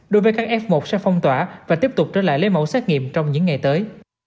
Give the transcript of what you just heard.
đối với các f một sẽ phong tỏa và tiếp tục trở lại lấy mẫu xét nghiệm trong những ngày tới